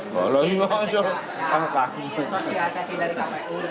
kalau iya maksudnya